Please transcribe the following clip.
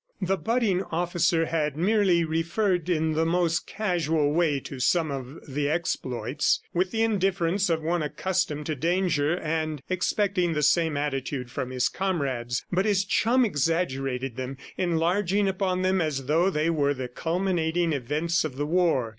The budding officer had merely referred in the most casual way to some of exploits, with the indifference of one accustomed to danger and expecting the same attitude from his comrades; but his chum exaggerated them, enlarging upon them as though they were the culminating events of the war.